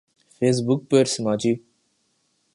face بک پر سماجی